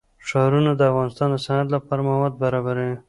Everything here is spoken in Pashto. ښارونه د افغانستان د صنعت لپاره مواد برابروي.